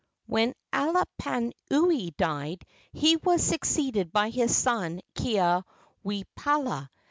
When Alapainui died he was succeeded by his son Keaweopala.